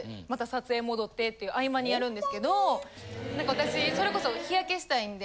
私それこそ日焼けしたいんで。